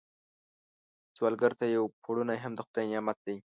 سوالګر ته یو پړونی هم د خدای نعمت دی